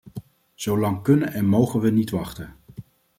Zo lang kunnen en mogen we niet wachten.